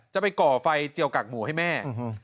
จะไปก่อไฟเจียวกักหมูให้แม่